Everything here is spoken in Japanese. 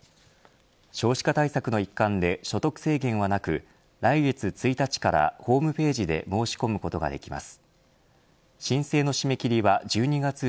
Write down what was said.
少子化対策の一環で所得制限はなく来月１日からホームページで申し込むことができます。